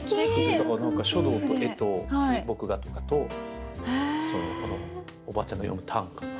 だから書道と絵と水墨画とかとおばあちゃんの詠む短歌。